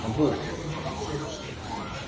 สวัสดีครับ